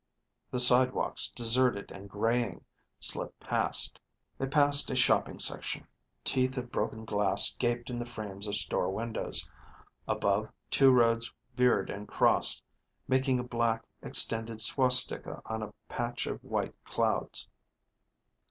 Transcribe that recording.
The sidewalks, deserted and graying, slipped past. They passed a shopping section; teeth of broken glass gaped in the frames of store windows. Above, two roads veered and crossed, making a black, extended swastika on a patch of white clouds.